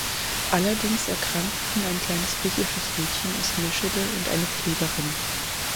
Allerdings erkrankten ein kleines griechisches Mädchen aus Meschede und eine Pflegerin.